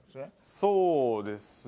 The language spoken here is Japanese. そうですね